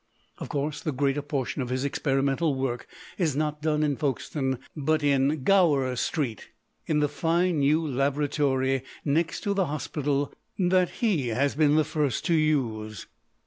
Of course, the greater portion of his experimental work is not done in Folkestone, but in Gower Street, in the fine new laboratory next to the hospital that he has been the first to use.